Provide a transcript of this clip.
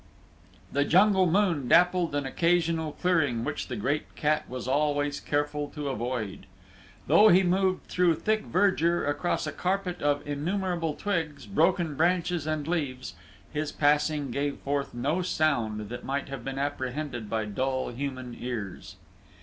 The jungle moon dappled an occasional clearing which the great cat was always careful to avoid. Though he moved through thick verdure across a carpet of innumerable twigs, broken branches, and leaves, his passing gave forth no sound that might have been apprehended by dull human ears.